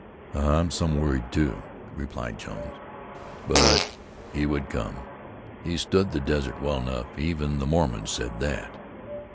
"I'm some worried, too," replied Jones. "But he would come. He stood the desert well enough; even the Mormons said that."